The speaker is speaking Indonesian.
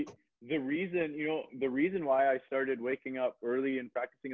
sebenarnya alasan kenapa gue mulai bangun awal dan berlatih di pagi